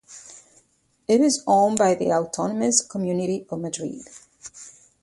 It is owned by the "Autonomous Community" of Madrid.